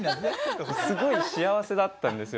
すごい幸せだったんですよ